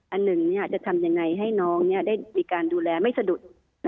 อันหนึ่งจะทำยังไงให้น้องได้มีการดูแลไม่สะดุด